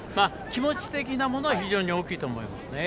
気持ち的なものは非常に大きいと思います。